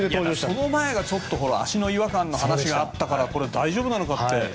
その前が足の違和感の話があったから大丈夫なのかって。